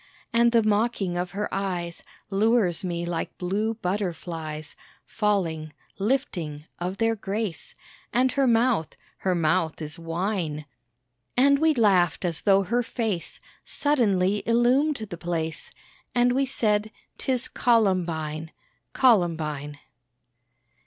And the mocking of her eyes Lures me like blue butterflies Falling lifting of their grace, And her mouth her mouth is wine." And we laughed as though her face Suddenly illumed the place, And we said, "'Tis Columbine, Columbine."